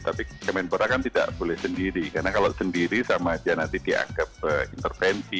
tapi kemenpora kan tidak boleh sendiri karena kalau sendiri sama aja nanti dianggap intervensi